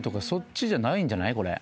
そっちじゃないんじゃない？